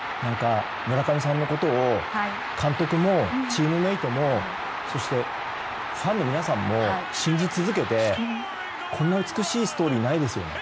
村上さんのことを監督もチームメートもそして、ファンの皆さんも信じ続けてこんな美しいストーリーないですよね。